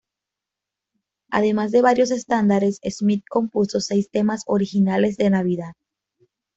Además de varios estándares, Smith compuso seis temas originales de Navidad.